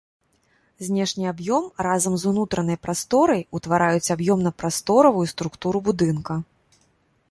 Знешні аб'ём разам з унутранай прасторай ўтвараюць аб'ёмна-прасторавую структуру будынка.